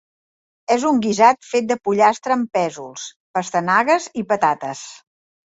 És un guisat fet de pollastre amb pèsols, pastanagues i patates.